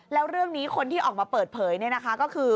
แล้วเรื่องนี้คนที่ออกมาเปิดเผยก็คือ